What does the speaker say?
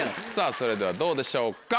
それではどうでしょうか？